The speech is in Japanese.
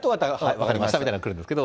分かりましたみたいなのがくるんですけど。